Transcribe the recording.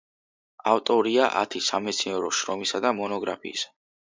ავტორია ათი სამეცნიერო შრომისა და მონოგრაფიისა.